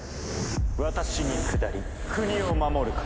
私に下り国を守るかそれとも。